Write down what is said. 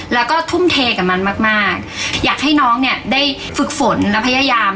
แล้วก็ทุ่มเทกับมันมากมากอยากให้น้องเนี่ยได้ฝึกฝนและพยายาม